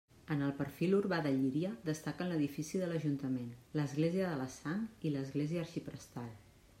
En el perfil urbà de Llíria destaquen l'edifici de l'ajuntament, l'església de la Sang i l'església Arxiprestal.